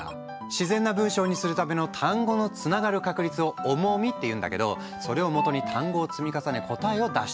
自然な文章にするための単語のつながる確率を「重み」っていうんだけどそれを元に単語を積み重ね答えを出していくんだ。